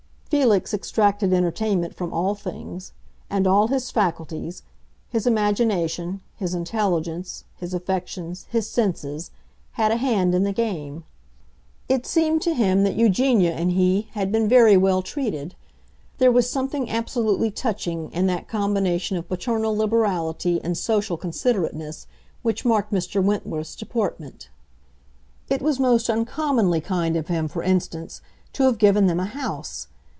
Felix extracted entertainment from all things, and all his faculties—his imagination, his intelligence, his affections, his senses—had a hand in the game. It seemed to him that Eugenia and he had been very well treated; there was something absolutely touching in that combination of paternal liberality and social considerateness which marked Mr. Wentworth's deportment. It was most uncommonly kind of him, for instance, to have given them a house.